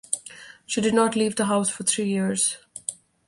She did not leave the house for three years.